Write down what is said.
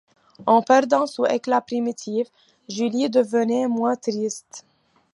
En perdant son éclat primitif, Julie devenait moins triste.